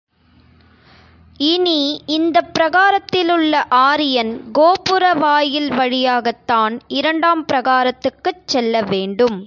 இனி இந்தப் பிரகாரத்திலுள்ள ஆரியன் கோபுர வாயில் வழியாகத்தான் இரண்டாம் பிரகாரத்துக்குச் செல்ல வேண்டும்.